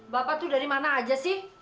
bapak tuh dari mana aja sih